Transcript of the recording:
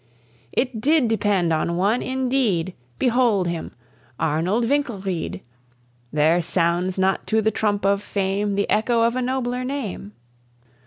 It did depend on one indeed; Behold him, Arnold Winkelried; There sounds not to the trump of fame The echo of a nobler name.